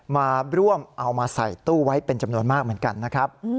มาร่วมเอามาใส่ตู้ไว้เป็นจำนวนมากเหมือนกันนะครับ